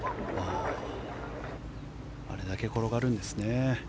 あれだけ転がるんですね。